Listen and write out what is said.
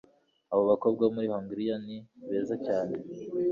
Abo bakobwa bo muri Hongiriya ni beza cyane